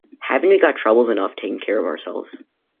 Haven't we got troubles enough taking care of ourselves?